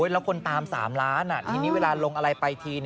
แล้วคนตาม๓ล้านทีนี้เวลาลงอะไรไปที